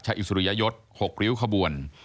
อิสริยยศ๖ริ้วขบวน